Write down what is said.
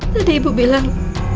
tadi ibu bilang